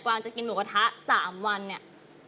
วางจะกินหมูกระทะ๓วันเนี่ย